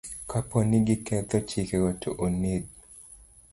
Kapo ni giketho chikego, to oneg